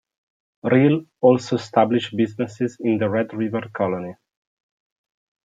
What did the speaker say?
Riel also established businesses in the Red River Colony.